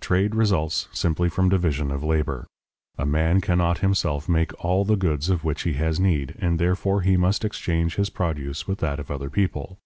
Trade results simply from division of labor. A man cannot himself make all the goods of which he has need, and therefore he must exchange his produce with that of other people.